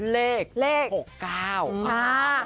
เลข๖๙มาก